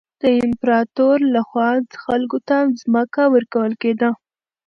د امپراتور له خوا خلکو ته ځمکه ورکول کېده.